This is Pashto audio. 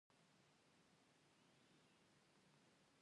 د میرمنو کار او تعلیم مهم دی ځکه چې ماشوم ودونو مخه نیسي.